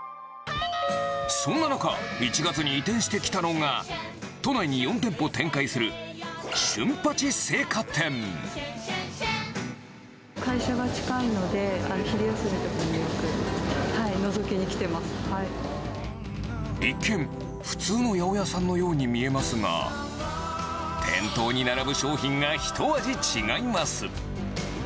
そんな中、１月に移転してきたのが、都内に４店舗展開する、会社が近いので、昼休みとかに、一見、普通の八百屋さんのように見えますが、店頭に並ぶ商品が一味違います。